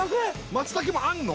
松茸もあんの？